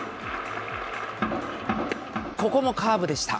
ここもカーブでした。